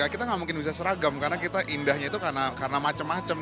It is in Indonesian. kita nggak mungkin bisa seragam karena kita indahnya itu karena macem macem